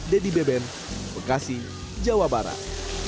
dedy beben bekasi jawa barat